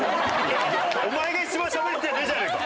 お前が一番しゃべれてねえじゃねえか！